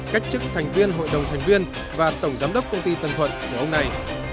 cách chức thành viên hội đồng thành viên và tổng giám đốc công ty tân thuận của ông này